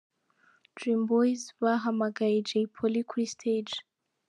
Dream Boyz bahamagaye Jay Polly kuri stage.